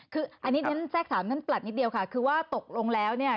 คืออันนี้ฉันแทรกถามท่านประหลัดนิดเดียวค่ะคือว่าตกลงแล้วเนี่ย